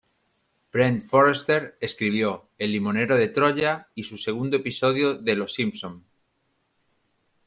Brent Forrester escribió "El limonero de Troya", su segundo episodio de "Los Simpson".